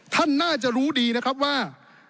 ท่านน่าจะรู้ดีนะครับว่า